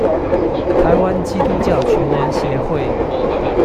臺灣基督教全人協會